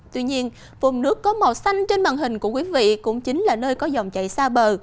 tuy nhiên vùng nước có màu xanh trên màn hình của quý vị cũng chính là nơi có dòng chảy xa bờ